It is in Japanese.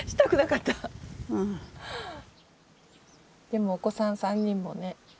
でもお子さん３人もね。